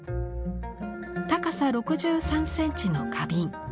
高さ６３センチの花瓶。